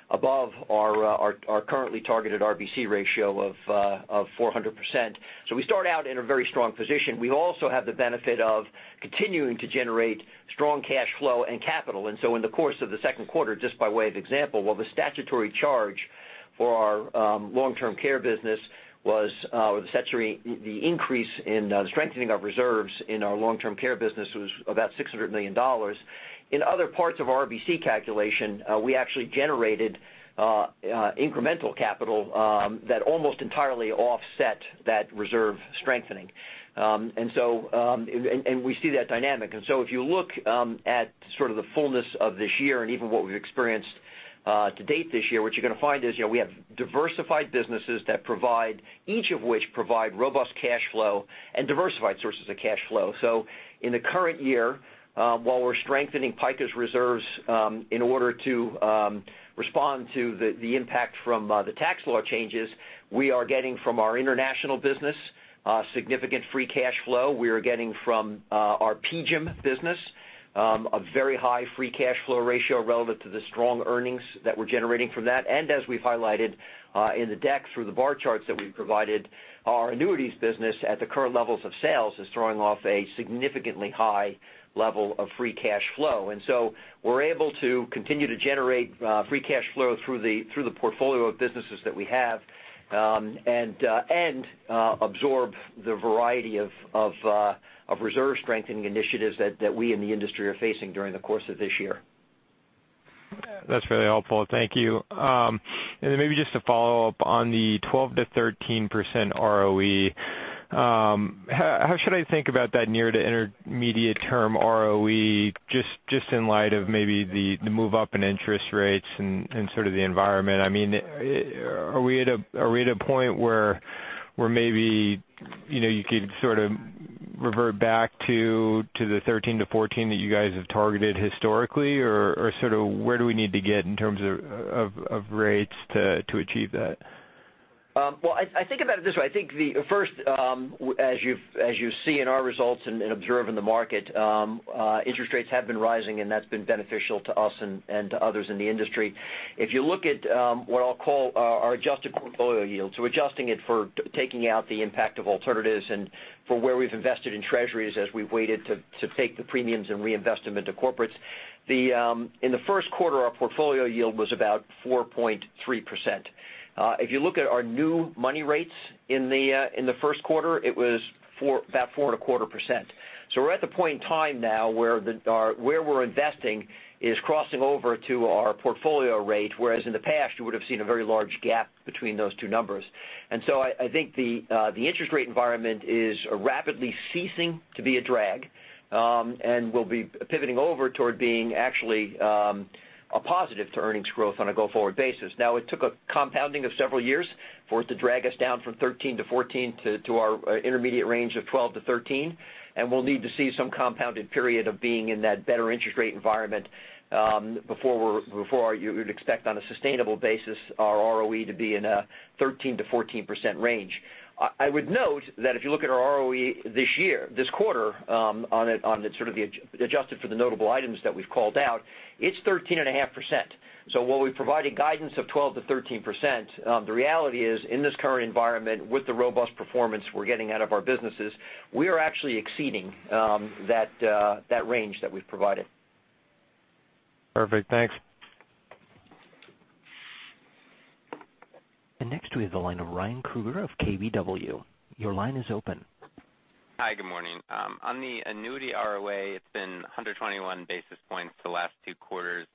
Speaker 5: above our currently targeted RBC ratio of 400%. We start out in a very strong position. We also have the benefit of continuing to generate strong cash flow and capital. In the course of the second quarter, just by way of example, while the statutory charge for our long-term care business was the increase in the strengthening of reserves in our long-term care business was about $600 million. In other parts of RBC calculation, we actually generated incremental capital that almost entirely offset that reserve strengthening. We see that dynamic. If you look at sort of the fullness of this year and even what we've experienced to date this year, what you're going to find is we have diversified businesses, each of which provide robust cash flow and diversified sources of cash flow. In the current year, while we're strengthening PICA's reserves in order to respond to the impact from the tax law changes, we are getting from our international business significant free cash flow. We are getting from our PGIM business a very high free cash flow ratio relevant to the strong earnings that we're generating from that. As we've highlighted in the deck through the bar charts that we've provided, our annuities business at the current levels of sales is throwing off a significantly high level of free cash flow. We're able to continue to generate free cash flow through the portfolio of businesses that we have and absorb the variety of reserve strengthening initiatives that we in the industry are facing during the course of this year.
Speaker 10: That's very helpful. Thank you. Then maybe just to follow up on the 12%-13% ROE, how should I think about that near to intermediate term ROE, just in light of maybe the move up in interest rates and sort of the environment? I mean, are we at a point where maybe you could sort of revert back to the 13%-14% that you guys have targeted historically, or sort of where do we need to get in terms of rates to achieve that?
Speaker 5: Well, I think about it this way. I think first, as you see in our results and observe in the market, interest rates have been rising, and that's been beneficial to us and to others in the industry. If you look at what I'll call our adjusted portfolio yield, adjusting it for taking out the impact of alternatives and for where we've invested in treasuries as we've waited to take the premiums and reinvest them into corporates, in the first quarter, our portfolio yield was about 4.3%. If you look at our new money rates in the first quarter, it was about 4.25%. We're at the point in time now where we're investing is crossing over to our portfolio rate, whereas in the past, you would have seen a very large gap between those two numbers. I think the interest rate environment is rapidly ceasing to be a drag and will be pivoting over toward being actually a positive to earnings growth on a go-forward basis. It took a compounding of several years for it to drag us down from 13%-14% to our intermediate range of 12%-13%, and we'll need to see some compounded period of being in that better interest rate environment before you would expect on a sustainable basis our ROE to be in a 13%-14% range. I would note that if you look at our ROE this quarter on it sort of adjusted for the notable items that we've called out, it's 13.5%. While we've provided guidance of 12%-13%, the reality is in this current environment with the robust performance we're getting out of our businesses, we are actually exceeding that range that we've provided.
Speaker 10: Perfect. Thanks.
Speaker 1: Next we have the line of Ryan Krueger of KBW. Your line is open.
Speaker 11: Hi. Good morning. On the annuity ROA, it's been 121 basis points the last two quarters.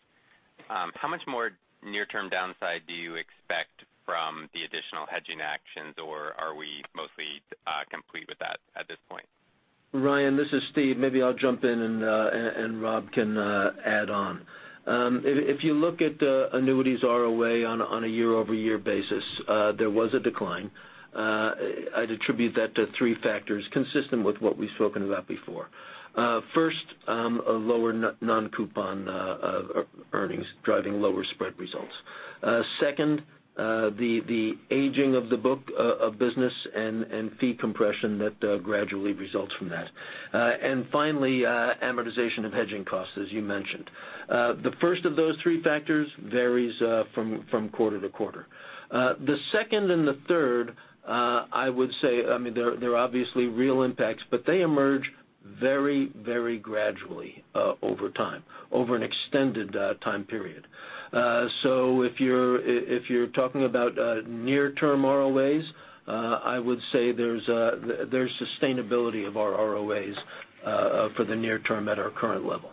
Speaker 11: How much more near-term downside do you expect from the additional hedging actions, or are we mostly complete with that at this point?
Speaker 7: Ryan, this is Steve. Maybe I'll jump in and Rob can add on. If you look at the annuities ROA on a year-over-year basis, there was a decline. I'd attribute that to three factors consistent with what we've spoken about before. First, a lower non-coupon earnings driving lower spread results. Second, the aging of the book of business and fee compression that gradually results from that. Finally, amortization of hedging costs, as you mentioned. The first of those three factors varies from quarter to quarter. The second and the third, I would say, I mean, they're obviously real impacts, but they emerge very gradually over time, over an extended time period. If you're talking about near-term ROAs, I would say there's sustainability of our ROAs for the near term at our current level.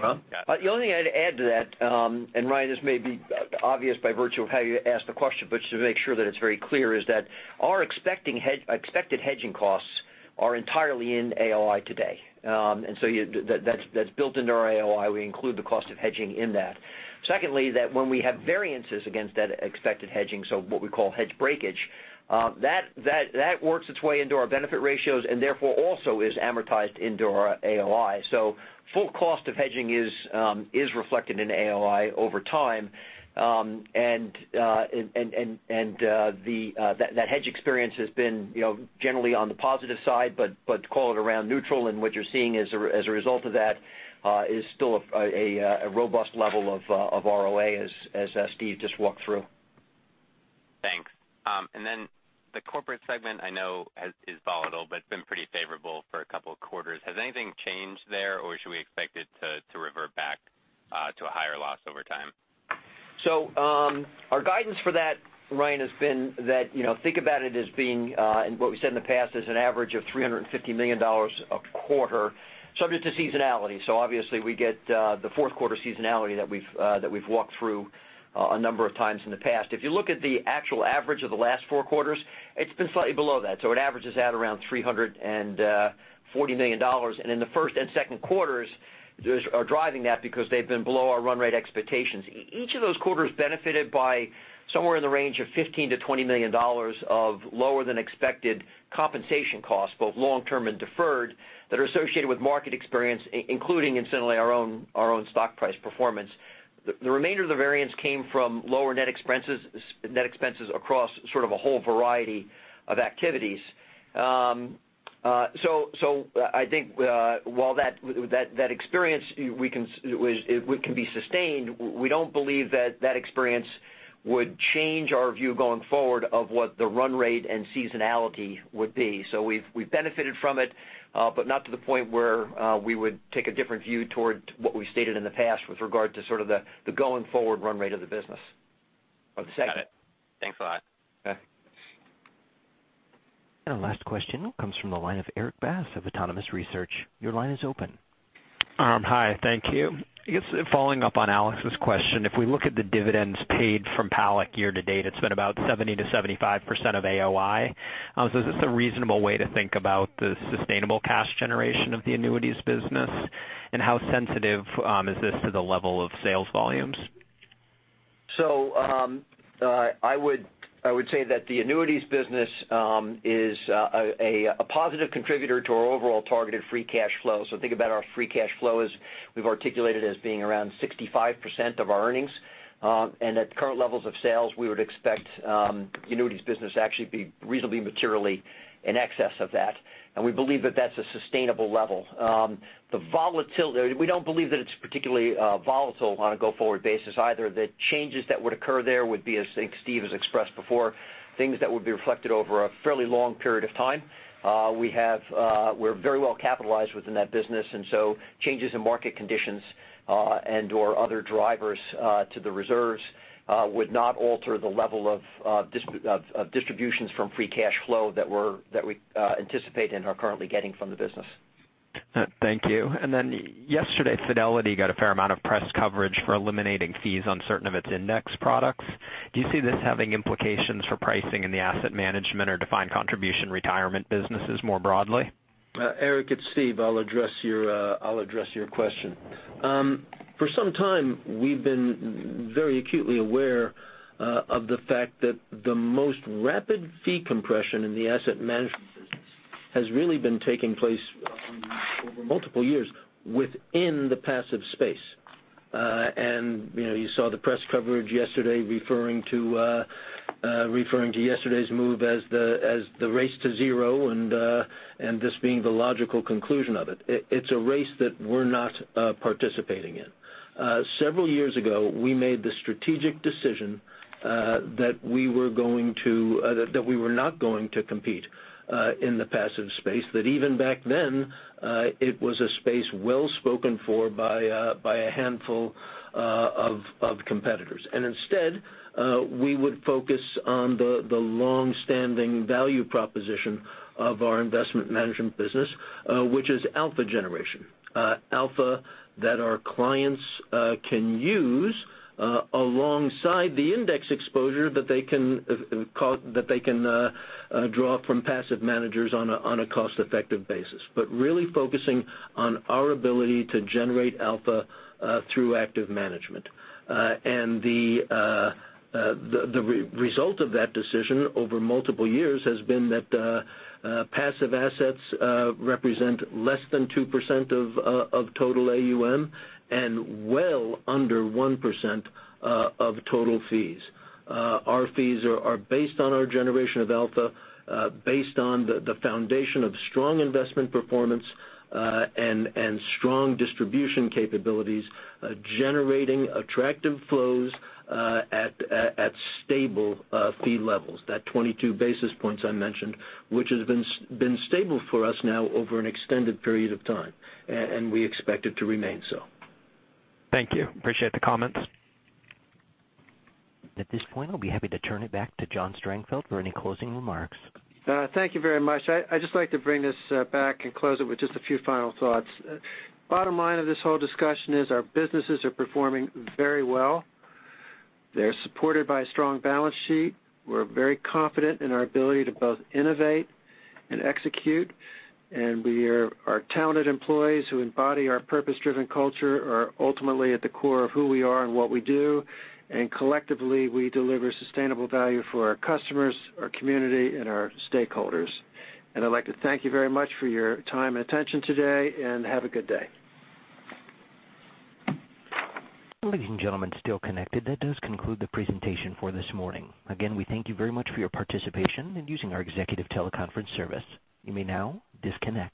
Speaker 5: Well, the only thing I'd add to that, Ryan, this may be obvious by virtue of how you asked the question, but just to make sure that it's very clear, is that our expected hedging costs are entirely in AOI today. That's built into our AOI. We include the cost of hedging in that. Secondly, that when we have variances against that expected hedging, so what we call hedge breakage, that works its way into our benefit ratios and therefore also is amortized into our AOI. Full cost of hedging is reflected in AOI over time. That hedge experience has been generally on the positive side, but call it around neutral and what you're seeing as a result of that is still a robust level of ROA as Steve just walked through.
Speaker 11: Thanks. The corporate segment I know is volatile but it's been pretty favorable for a couple of quarters. Has anything changed there or should we expect it to revert back to a higher loss over time?
Speaker 5: Our guidance for that, Ryan, has been that, think about it as being, and what we said in the past is an average of $350 million a quarter subject to seasonality. Obviously we get the fourth quarter seasonality that we've walked through a number of times in the past. If you look at the actual average of the last four quarters, it's been slightly below that. It averages out around $340 million. In the first and second quarters are driving that because they've been below our run rate expectations. Each of those quarters benefited by somewhere in the range of $15 million to $20 million of lower than expected compensation costs, both long term and deferred, that are associated with market experience, including incidentally our own stock price performance. The remainder of the variance came from lower net expenses across sort of a whole variety of activities. I think while that experience can be sustained, we don't believe that that experience would change our view going forward of what the run rate and seasonality would be. We've benefited from it, but not to the point where we would take a different view toward what we stated in the past with regard to sort of the going forward run rate of the business or the segment.
Speaker 11: Got it. Thanks a lot.
Speaker 5: Okay.
Speaker 1: Last question comes from the line of Erik Bass of Autonomous Research. Your line is open.
Speaker 12: Hi, thank you. I guess following up on Alex's question, if we look at the dividends paid from PALAC year to date, it's been about 70%-75% of AOI. Is this a reasonable way to think about the sustainable cash generation of the annuities business? How sensitive is this to the level of sales volumes?
Speaker 5: I would say that the annuities business is a positive contributor to our overall targeted free cash flow. Think about our free cash flow as we've articulated as being around 65% of our earnings. At current levels of sales, we would expect the annuities business actually be reasonably materially in excess of that. We believe that that's a sustainable level. We don't believe that it's particularly volatile on a go forward basis either. The changes that would occur there would be, as I think Steve has expressed before, things that would be reflected over a fairly long period of time. We're very well capitalized within that business, changes in market conditions, and/or other drivers to the reserves, would not alter the level of distributions from free cash flow that we anticipate and are currently getting from the business.
Speaker 12: Thank you. Yesterday, Fidelity got a fair amount of press coverage for eliminating fees on certain of its index products. Do you see this having implications for pricing in the asset management or defined contribution retirement businesses more broadly?
Speaker 7: Erik, it's Steve. I'll address your question. For some time, we've been very acutely aware of the fact that the most rapid fee compression in the asset management business has really been taking place over multiple years within the passive space. You saw the press coverage yesterday referring to yesterday's move as the race to zero and this being the logical conclusion of it. It's a race that we're not participating in. Several years ago, we made the strategic decision that we were not going to compete in the passive space. That even back then, it was a space well spoken for by a handful of competitors. Instead, we would focus on the long-standing value proposition of our investment management business, which is alpha generation. Alpha that our clients can use alongside the index exposure that they can draw from passive managers on a cost-effective basis. Really focusing on our ability to generate alpha through active management. The result of that decision over multiple years has been that passive assets represent less than 2% of total AUM and well under 1% of total fees. Our fees are based on our generation of alpha, based on the foundation of strong investment performance, and strong distribution capabilities, generating attractive flows at stable fee levels. That 22 basis points I mentioned, which has been stable for us now over an extended period of time. We expect it to remain so.
Speaker 12: Thank you. Appreciate the comments.
Speaker 1: At this point, I'll be happy to turn it back to John Strangfeld for any closing remarks.
Speaker 3: Thank you very much. I'd just like to bring this back and close it with just a few final thoughts. Bottom line of this whole discussion is our businesses are performing very well. They're supported by a strong balance sheet. We're very confident in our ability to both innovate and execute. Our talented employees who embody our purpose-driven culture are ultimately at the core of who we are and what we do. Collectively, we deliver sustainable value for our customers, our community, and our stakeholders. I'd like to thank you very much for your time and attention today, and have a good day.
Speaker 1: Ladies and gentlemen still connected, that does conclude the presentation for this morning. We thank you very much for your participation in using our executive teleconference service. You may now disconnect.